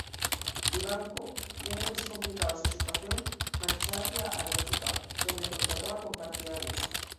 Vivanco, viendo que se complicaba su situación, marchó hacia Arequipa, donde contaba con partidarios.